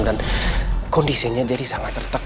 dan kondisinya jadi sangat tertekan